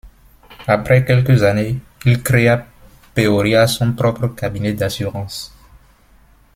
Après quelques années, il créé à Peoria son propre cabinet d'assurance.